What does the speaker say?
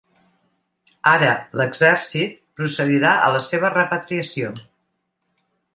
Ara l’exèrcit procedirà a la seva repatriació.